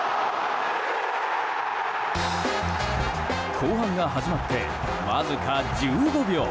後半が始まってわずか１５秒。